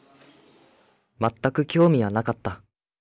全く興味はなかった。